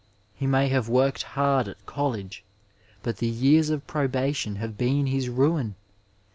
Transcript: He may have worked hard at college, but the years of probation have been his ruin.